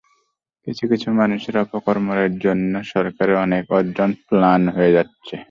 কিছু কিছু মানুষের অপকর্মের জন্য সরকারের অনেক অর্জন ম্লান হয়ে যাচ্ছে।